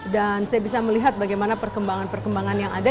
dan saya bisa melihat bagaimana perkembangan perkembangan yang ada